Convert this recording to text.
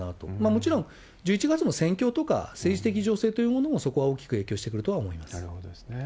もちろん、１１月の戦況とか政治的情勢というものも、そこは大きく影響してなるほどですね。